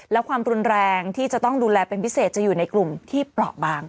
และความรุนแรงที่จะต้องดูแลเป็นพิเศษจะอยู่ในกลุ่มที่เปราะบาง